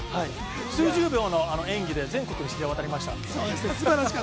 数十秒の演技で全国に知れ渡りました。